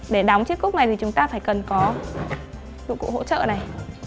để đóng chiếc cúc này thì chúng ta phải cần có dụng cụ hỗ trợ này